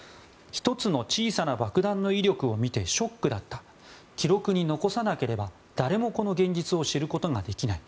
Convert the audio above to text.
１つの小さな爆弾の威力を見てショックだった記録に残さなければ誰もこの現実を知ることができない。